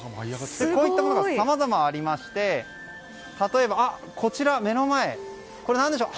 こういったものがさまざまありまして例えば、こちら目の前何でしょう。